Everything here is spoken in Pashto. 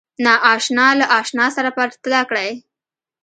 ناآشنا له آشنا سره پرتله کړئ